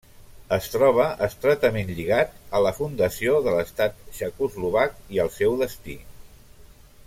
Es troba estretament lligat a la fundació de l'Estat txecoslovac i al seu destí.